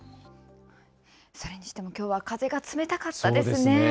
それにしても、きょうは風が冷たかったですね。